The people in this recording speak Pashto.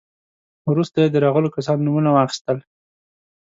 وروسته يې د راغلو کسانو نومونه واخيستل.